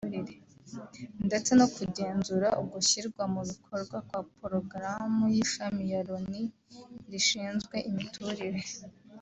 ndetse no kugenzura ugushyirwa mu bikorwa kwa porogaramu y’Ishami rya Loni rishinzwe imiturire